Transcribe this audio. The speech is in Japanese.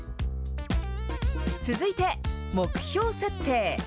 続いて、目標設定。